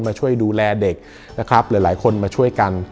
มาช่วยดูแลเด็กนะครับหลายคนมาช่วยกัน